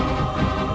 aku akan menang